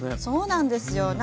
そうなんですよ。